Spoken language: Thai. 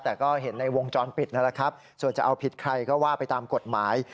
แต่ก็เห็นในวงจรปิดนั่นแหละครับส่วนจะเอาผิดใครก็ว่าไปตามกฎหมาย